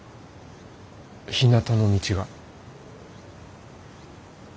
ひなたの道が。